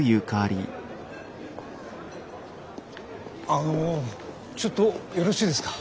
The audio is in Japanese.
あのちょっとよろしいですか？